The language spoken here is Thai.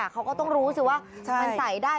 เขาก็ต้องรู้สิว่ามันใส่ได้